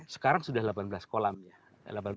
sekarang sudah delapan belas kolam ya